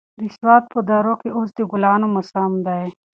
د سوات په درو کې اوس د ګلانو موسم دی.